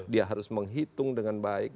dia harus menghitung dengan baik